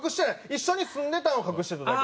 一緒に住んでたんを隠してただけや。